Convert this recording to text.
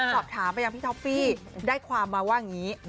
สอบถามไปยังพี่ท็อฟฟี่ได้ความมาว่าอย่างนี้